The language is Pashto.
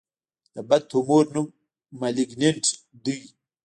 د بد تومور نوم مالېګننټ دی.